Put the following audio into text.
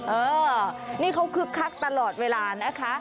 เออนี่เขาคึกคักตลอดเวลานะคะ